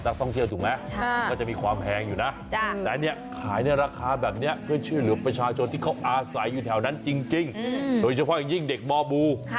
ต้องกดไปแถวนั้นจริงโดยเฉพาะอย่างยิ่งเด่กบบูร์